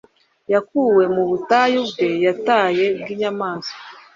Yakuwe mu butayu bwe yataye, Bwinyamaswa,